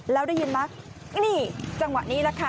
แล้วได้ยินไหมนี่จังหวะนี้แหละค่ะ